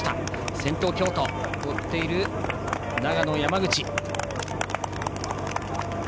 先頭、京都を追っている長野の山口。